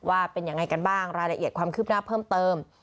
ว่าเป็นยังไงกันบ้างรายละเอียดความคืบหน้าเพิ่มเติม